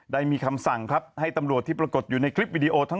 ได้มีคำสั่งครับให้ตำรวจที่ปรากฏอยู่ในคลิปวิดีโอทั้ง